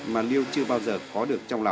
mày cẩn thận với tao